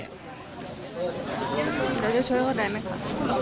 จะช่วยเขาได้ไหมคะ